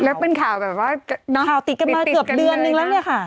แล้วเป็นข่าวแบบว่าข่าวติดกันมาเกือบเดือนนึงแล้วเนี่ยค่ะ